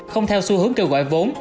không theo xu hướng kêu gọi vốn